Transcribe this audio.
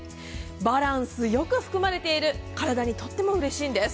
バランスよく含まれている体にとってもうれしいんです。